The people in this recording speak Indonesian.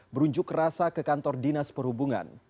berunjuk rasa ke kantor dinas perhubungan